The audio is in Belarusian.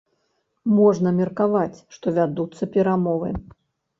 Можна меркаваць, што вядуцца перамовы.